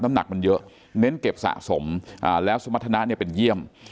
น้ำหนักมันเยอะเน้นเก็บสะสมอ่าแล้วสมรรถนาเนี้ยเป็นเยี่ยม